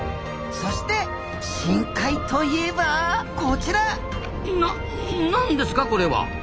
そして深海といえばこちらな何ですかこれは？